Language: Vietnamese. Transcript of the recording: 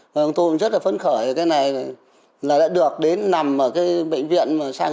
và tôi cũng rất là phấn khởi cái này là đã được đến nằm ở cái bệnh viện mà sang